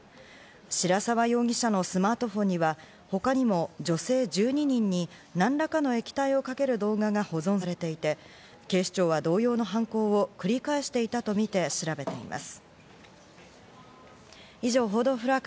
白沢容疑者のスマートフォンには他にも女性１２人に何らかの液体をかける動画が保存されていて、警視庁は同様の犯行を繰り返していたとみて調べています。